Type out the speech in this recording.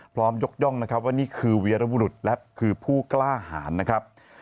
พร้อมยกย่องว่านี่คือเวียรบุรุษและคือผู้กล้าหารนะครับ